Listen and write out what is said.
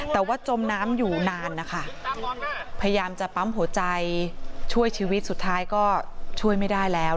แต่ว่าจมน้ำอยู่นานนะคะพยายามจะปั๊มหัวใจช่วยชีวิตสุดท้ายก็ช่วยไม่ได้แล้ว